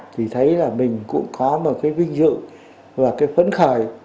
thì thấy là mình cũng có một cái vinh dự và cái phấn khởi